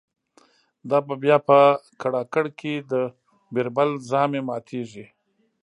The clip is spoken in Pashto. دا به بیا په کړاکړ کی د« بیربل» ژامی ماتیږی